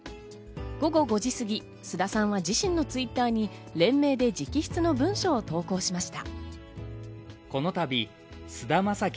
午後５時すぎ、菅田さんは自身のツイッターに連名で直筆の文書を投稿しました。